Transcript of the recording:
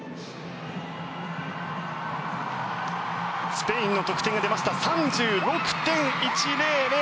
スペインの得点が出ました３６．１００。